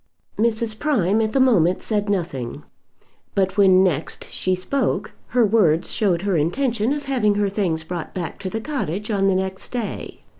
Mrs. Prime at the moment said nothing; but when next she spoke her words showed her intention of having her things brought back to the cottage on the next day.